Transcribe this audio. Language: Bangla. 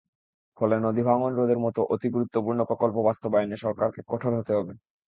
ফলে নদীভাঙন রোধের মতো অতি গুরুত্বপূর্ণ প্রকল্প বাস্তবায়নে সরকারকে কঠোর হতে হবে।